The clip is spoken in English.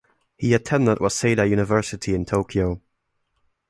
He attended Waseda University in Tokyo.